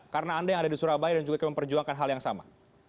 karena anda yang ada di surabaya dan juga kemampuan perjuangkan hal yang sama